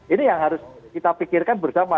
ini yang harus kita pikirkan bersama